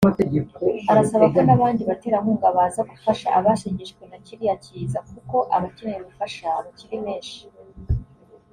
Arasaba ko n’abandi baterankunga baza gufasha abashegeshwe na kiriya kiza kuko abakeneye ubufasha bakiri benshi